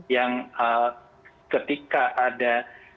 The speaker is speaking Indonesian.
yang ketika ada